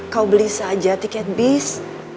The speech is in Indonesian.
kau beli saja tiket bis